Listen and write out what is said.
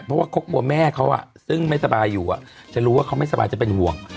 เพราะว่าเขากลัวแม่เขาซึ่งไม่สบายอยู่จะรู้ว่าเขาไม่สบายจะเป็นห่วง